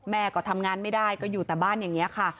แม่ก็ทำงานไม่ได้ก็อยู่แต่บ้านอย่างนี้ค่ะ